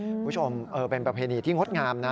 คุณผู้ชมเป็นประเพณีที่งดงามนะ